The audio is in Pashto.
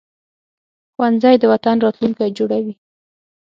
ښوونځی د وطن راتلونکی جوړوي